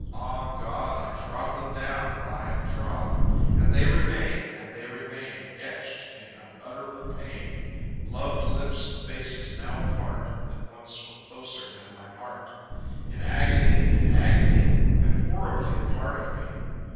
(Ah, God, I trod them down where I have trod, And they remain, and they remain, Etched in unutterable pain, Loved lips and faces now apart, That once were closer than my heart In agony, in agony, And horribly a part of me....